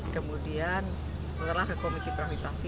kemudian setelah ke komiti privatisasi